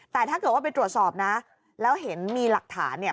แต่ถ้าเกิดว่าไปตรวจสอบนะแล้วเห็นมีหลักฐานเนี่ย